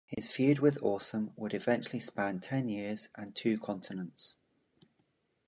His feud with Awesome would eventually span ten years and two continents.